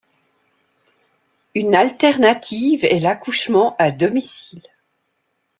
Une alternative est l'accouchement à domicile.